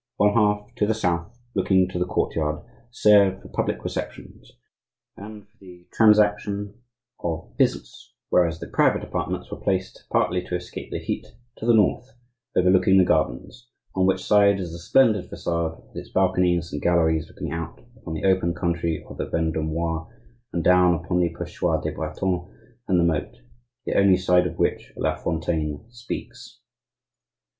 One half, to the south, looking to the courtyard, served for public receptions and for the transaction of business; whereas the private apartments were placed, partly to escape the heat, to the north, overlooking the gardens, on which side is the splendid facade with its balconies and galleries looking out upon the open country of the Vendomois, and down upon the "Perchoir des Bretons" and the moat, the only side of which La Fontaine speaks.